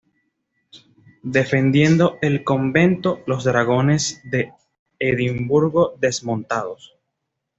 Defendiendo el convento, los Dragones de Edimburgo desmontados.